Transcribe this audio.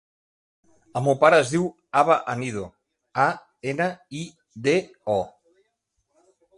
El meu pare es diu Abba Anido: a, ena, i, de, o.